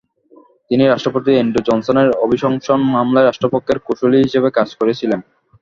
তিনি রাষ্ট্রপতি অ্যান্ড্রু জনসনের অভিশংসন মামলায় রাষ্ট্রপক্ষের কৌসুলী হিসেবে কাজ করেছিলেন।